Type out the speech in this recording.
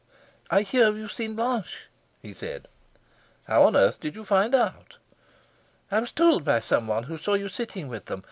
"I hear you've seen Blanche," he said. "How on earth did you find out?" "I was told by someone who saw you sitting with them.